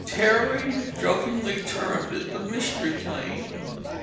Terry jokingly termed it the Mystery Plane.